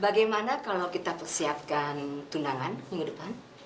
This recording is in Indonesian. bagaimana kalau kita persiapkan tunangan minggu depan